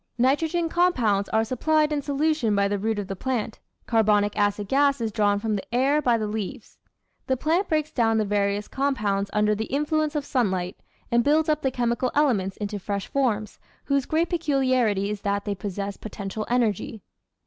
Nitrogen compounds are supplied in solution by the root of the plant, carbonic acid gas is drawn from the air by the leaves. The plant breaks down the various compounds under the influence of sunlight, and builds up the chemical elements into fresh forms, whose great peculiarity is that they possess potential energy.